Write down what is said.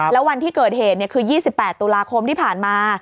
แล้ววันที่เกิดเหตุคือ๒๘ตุลาคมที่ผ่านมา